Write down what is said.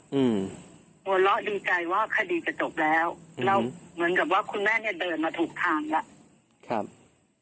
หัวเราะดีใจว่าคดีจะจบแล้วแล้วเหมือนกับว่าคุณแม่เนี้ยเดินมาถูกทางแล้วครับ